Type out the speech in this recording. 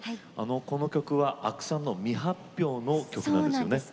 この曲は阿久さんの未発表の曲なんですよね。